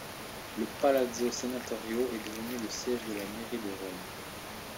Le Palazzo Senatorio est devenu le siège de la mairie de Rome.